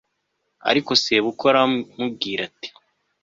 ariko sebukwe aramubwira ati